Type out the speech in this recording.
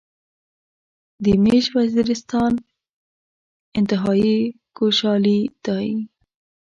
دې ميژ وزيرستان انتهایی کوشلاي داي